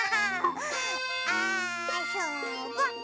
あそぼ！